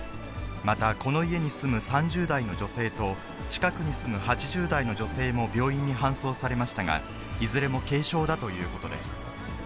またこの家に住む３０代の女性と、近くに住む８０代の女性も病院に搬送されましたが、いずれも軽傷だということです。